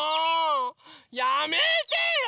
やめてよ！